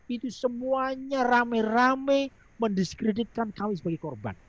itu semuanya rame rame mendiskreditkan kami sebagai korban